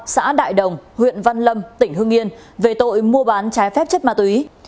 xã đại đồng huyện văn lâm tỉnh hương yên về tội mua bán trái phép chất ma túy